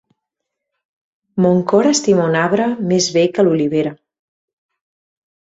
Mon cor estima un arbre més vell que l'olivera.